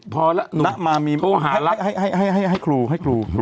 พอแล้วน้ำมามีมาให้ครู